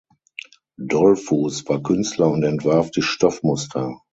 Dollfus war Künstler und entwarf die Stoffmuster.